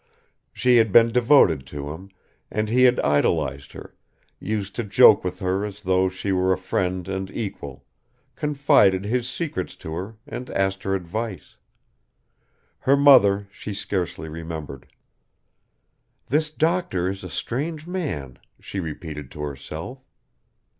She had been devoted to him, and he had idolized her, used to joke with her as though she were a friend and equal, confided his secrets to her and asked her advice. Her mother she scarcely remembered. "This doctor is a strange man," she repeated to herself.